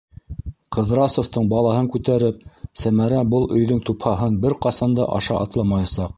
Ҡыҙрасовтың балаһын күтәреп, Сәмәрә был өйҙөң тупһаһын бер ҡасан да аша атламаясаҡ.